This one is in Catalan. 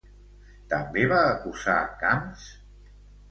També va acusar Camps?